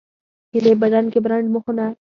هیلۍ په ډنډ کې بربنډ مخونه